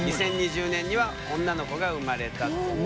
２０２０年には女の子が生まれたという。